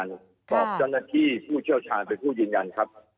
สอบจรันเนาที่ผู้เชี่ยวชาญเป็นผู้ดินยันครับ